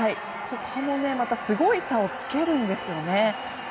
ここもすごい差をつけるんですよね。